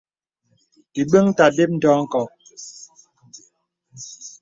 Ìbəŋ ta də́p ndɔ̄ a nkɔk.